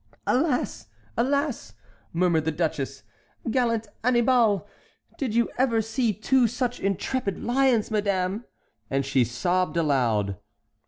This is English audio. "Alas! alas!" murmured the duchess, "gallant Annibal. Did you ever see two such intrepid lions, madame?" And she sobbed aloud.